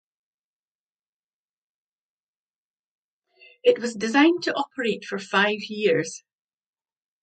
It was designed to operate for five years.